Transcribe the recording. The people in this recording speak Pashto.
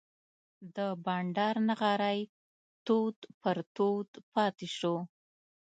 د بانډار نغری تود پر تود پاتې شو.